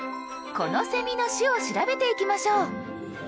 このセミの種を調べていきましょう。